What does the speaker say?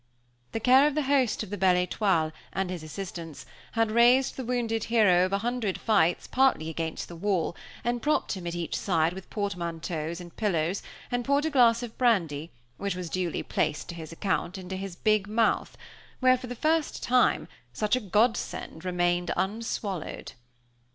The care of the host of the Belle Étoile, and his assistants, had raised the wounded hero of a hundred fights partly against the wall, and propped him at each side with portmanteaus and pillows, and poured a glass of brandy, which was duly placed to his account, into his big mouth, where, for the first time, such a godsend remained unswallowed.